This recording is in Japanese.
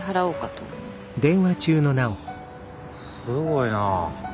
はあすごいなあ。